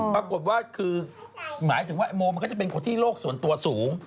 ปรากฏว่าคือหมายถึงว่าโมมันก็จะเป็นคนที่โลกส่วนตัวสูง